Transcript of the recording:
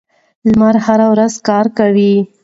لمر هره ورځ کار کوي.